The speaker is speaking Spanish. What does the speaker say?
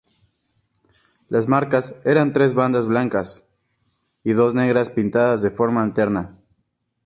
Las marcas eran tres bandas blancas y dos negras pintadas de forma alterna.